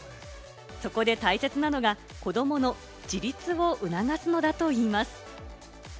そこで大切なのが子どもの自立を促すのだといいます。